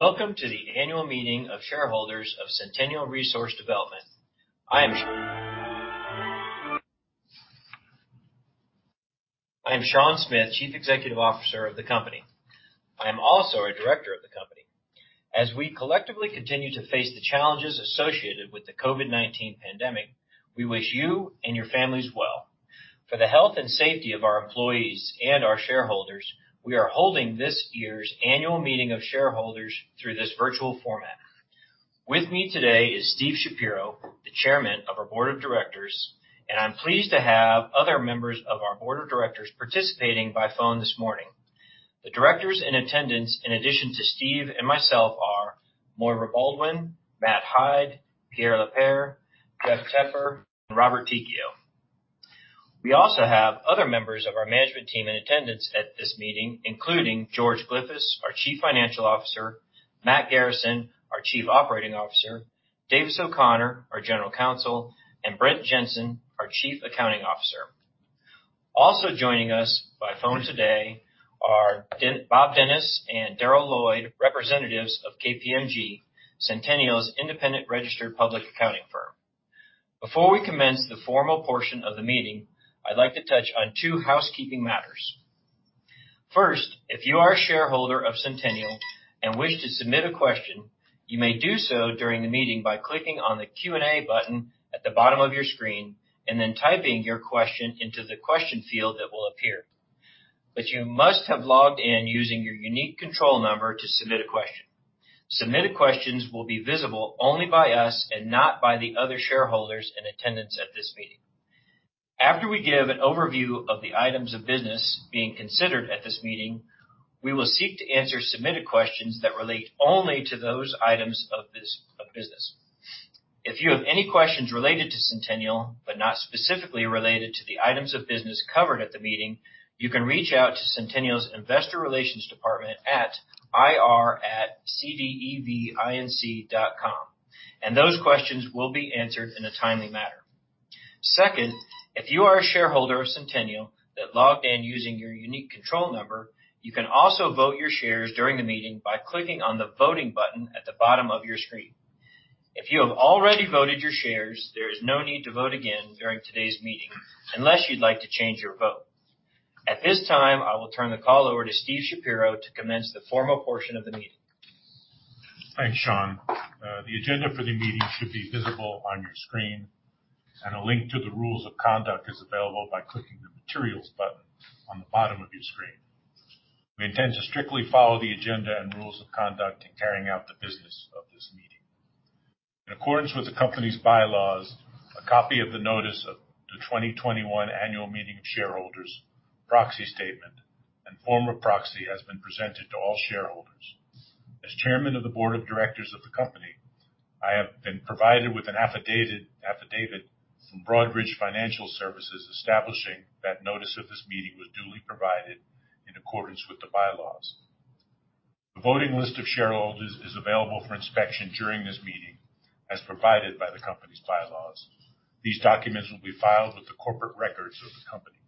Welcome to the annual meeting of shareholders of Centennial Resource Development. I am Sean Smith, Chief Executive Officer of the company. I am also a director of the company. As we collectively continue to face the challenges associated with the COVID-19 pandemic, we wish you and your families well. For the health and safety of our employees and our shareholders, we are holding this year's annual meeting of shareholders through this virtual format. With me today is Steven Shapiro, the Chairman of our Board of Directors, and I'm pleased to have other members of our Board of Directors participating by phone this morning. The directors in attendance, in addition to Steven and myself, are Maire Baldwin, Matthew Hyde, Pierre Lapeyre, Jeffrey Tepper, and Robert Tichio. We also have other members of our management team in attendance at this meeting, including George Glyphis, our Chief Financial Officer, Matt Garrison, our Chief Operating Officer, Davis O'Connor, our General Counsel, and Brent Jensen, our Chief Accounting Officer. Also joining us by phone today are Bob Dennis and Daryl Lloyd, representatives of KPMG, Centennial's independent registered public accounting firm. Before we commence the formal portion of the meeting, I'd like to touch on two housekeeping matters. First, if you are a shareholder of Centennial and wish to submit a question, you may do so during the meeting by clicking on the Q&A button at the bottom of your screen and then typing your question into the question field that will appear. You must have logged in using your unique control number to submit question. Submitted questions will be visible only by us and not by the other shareholders in attendance at this meeting. After we give an overview of the items of business being considered at this meeting, we will seek to answer submitted questions that relate only to those items of business. If you have any questions related to Centennial, but not specifically related to the items of business covered at the meeting, you can reach out to Centennial's investor relations department at ir@cdevinc.com, and those questions will be answered in a timely manner. Second, if you are a shareholder of Centennial that logged in using your unique control number, you can also vote your shares during the meeting by clicking on the voting button at the bottom of your screen. If you have already voted your shares, there is no need to vote again during today's meeting unless you'd like to change your vote. At this time, I will turn the call over to Steven Shapiro to commence the formal portion of the meeting. Thanks, Sean. The agenda for the meeting should be visible on your screen. A link to the rules of conduct is available by clicking the materials button on the bottom of your screen. We intend to strictly follow the agenda and rules of conduct in carrying out the business of this meeting. In accordance with the company's bylaws, a copy of the notice of the 2021 annual meeting of shareholders proxy statement and form of proxy has been presented to all shareholders. As Chairman of the Board of Directors of the company, I have been provided with an affidavit from Broadridge Financial Solutions establishing that notice of this meeting was duly provided in accordance with the bylaws. The voting list of shareholders is available for inspection during this meeting as provided by the company's bylaws. These documents will be filed with the corporate records of the company.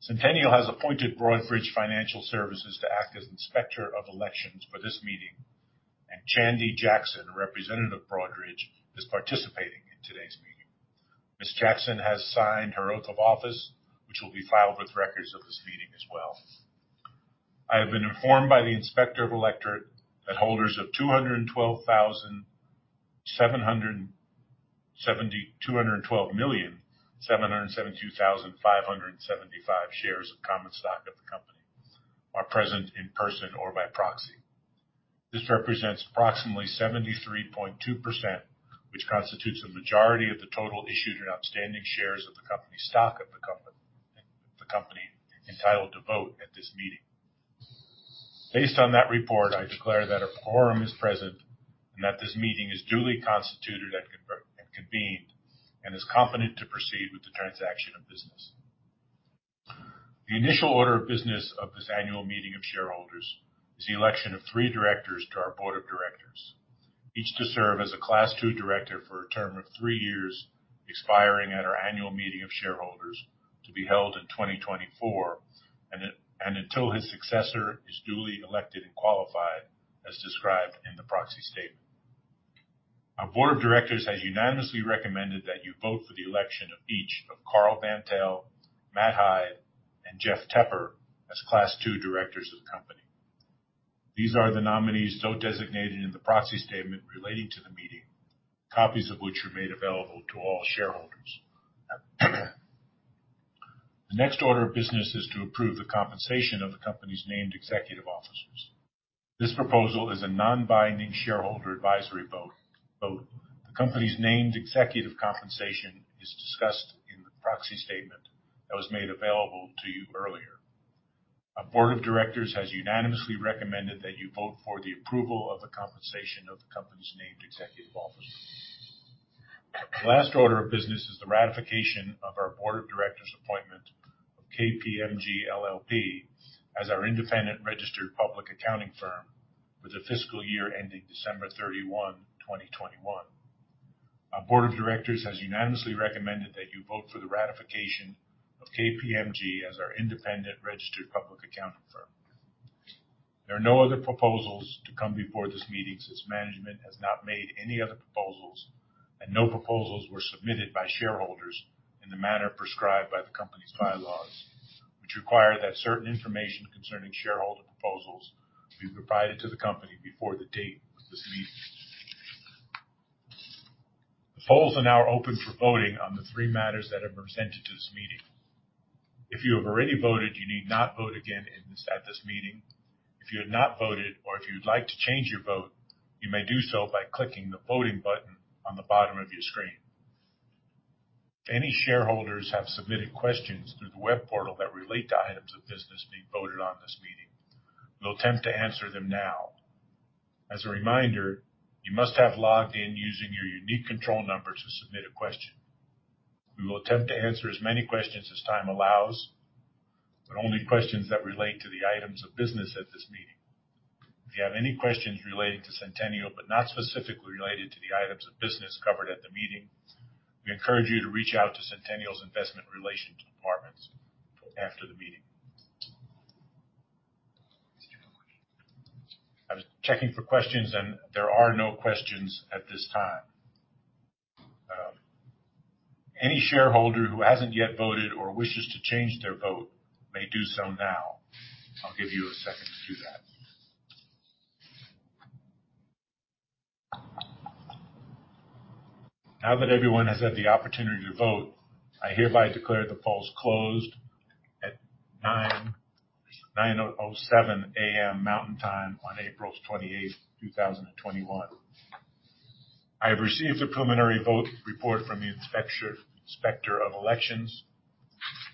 Centennial has appointed Broadridge Financial Solutions to act as inspector of elections for this meeting, and Chandi Jackson, a representative of Broadridge, is participating in today's meeting. Ms. Jackson has signed her oath of office, which will be filed with records of this meeting as well. I have been informed by the inspector of elections that holders of 212,772,575 shares of common stock of the company are present in person or by proxy. This represents approximately 73.2%, which constitutes the majority of the total issued and outstanding shares of the company's stock entitled to vote at this meeting. Based on that report, I declare that a quorum is present and that this meeting is duly constituted and convened and is competent to proceed with the transaction of business. The initial order of business of this annual meeting of shareholders is the election of three directors to our board of directors, each to serve as a Class II Director for a term of three years, expiring at our annual meeting of shareholders to be held in 2024 and until his successor is duly elected and qualified as described in the proxy statement. Our board of directors has unanimously recommended that you vote for the election of each of Karl Bandtel, Matthew Hyde, and Jeffrey Tepper as Class II Directors of the company. These are the nominees so designated in the proxy statement relating to the meeting, copies of which were made available to all shareholders. The next order of business is to approve the compensation of the company's named executive officers. This proposal is a non-binding shareholder advisory vote. The company's named executive compensation is discussed in the proxy statement that was made available to you earlier. Our board of directors has unanimously recommended that you vote for the approval of the compensation of the company's named executive officers. The last order of business is the ratification of our board of directors' appointment of KPMG LLP as our independent registered public accounting firm with a fiscal year ending December 31, 2021. Our board of directors has unanimously recommended that you vote for the ratification of KPMG as our independent registered public accounting firm. There are no other proposals to come before this meeting since management has not made any other proposals, and no proposals were submitted by shareholders in the manner prescribed by the company's bylaws, which require that certain information concerning shareholder proposals be provided to the company before the date of this meeting. The polls are now open for voting on the three matters that have been presented to this meeting. If you have already voted, you need not vote again at this meeting. If you have not voted or if you'd like to change your vote, you may do so by clicking the voting button on the bottom of your screen. If any shareholders have submitted questions through the web portal that relate to items of business being voted on in this meeting, we'll attempt to answer them now. As a reminder, you must have logged in using your unique control number to submit a question. We will attempt to answer as many questions as time allows, but only questions that relate to the items of business at this meeting. If you have any questions relating to Centennial but not specifically related to the items of business covered at the meeting, we encourage you to reach out to Centennial's investor relations department after the meeting. I was checking for questions, and there are no questions at this time. Any shareholder who hasn't yet voted or wishes to change their vote may do so now. I'll give you a second to do that. Now that everyone has had the opportunity to vote, I hereby declare the polls closed at 9:07 A.M. Mountain Time on April 28th, 2021. I have received a preliminary vote report from the inspector of elections.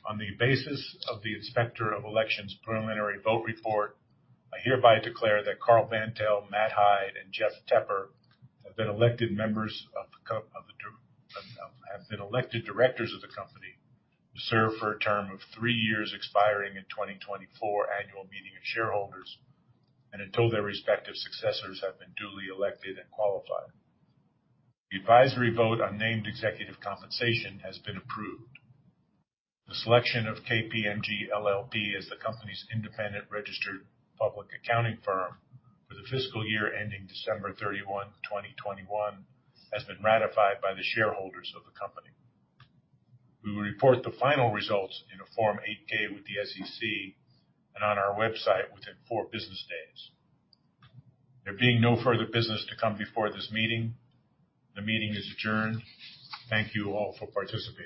On the basis of the inspector of elections' preliminary vote report, I hereby declare that Karl Bandtel, Matthew Hyde, and Jeffrey Tepper have been elected directors of the company to serve for a term of three years expiring in 2024 annual meeting of shareholders and until their respective successors have been duly elected and qualified. The advisory vote on named executive compensation has been approved. The selection of KPMG LLP as the company's independent registered public accounting firm for the fiscal year ending December 31, 2021, has been ratified by the shareholders of the company. We will report the final results in a Form 8-K with the SEC and on our website within four business days. There being no further business to come before this meeting, the meeting is adjourned. Thank you all for participating.